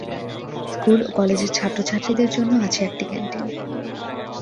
School ও কলেজের ছাত্র-ছাত্রীদের জন্য আছে একটি ক্যান্টিন।